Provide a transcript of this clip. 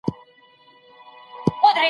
تنها نوم نه چي خصلت مي د انسان سي